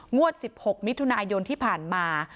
งวด๑๖มิถุนายนที่ผ่านมา